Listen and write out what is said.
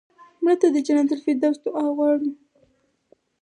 مړه ته د جنت الفردوس دعا غواړو